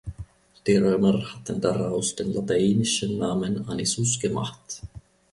Die Römer hatten daraus den lateinischen Namen "Anisus" gemacht.